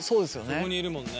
そこにいるもんね。